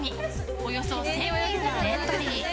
およそ１０００人がエントリー。